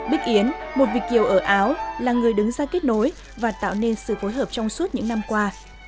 bích yến một việt kiều ở áo là người đứng ra kết nối và tạo nên sự phối hợp trong suốt những năm qua